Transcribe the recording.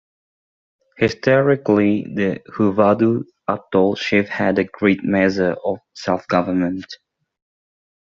Historically the Huvadu atoll chief had a great measure of self-government.